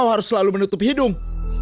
kau harus selalu menutup hidung